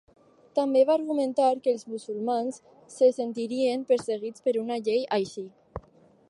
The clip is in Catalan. També va argumentar que els musulmans se sentirien perseguits per una llei així.